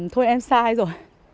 thôi em sai rồi